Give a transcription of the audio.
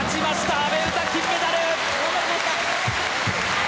阿部詩、金メダル！